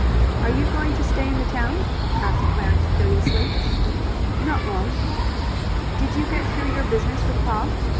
"Are you going to stay in town?" asked Clarence curiously. "Not long." "Did you get through your business with pa?"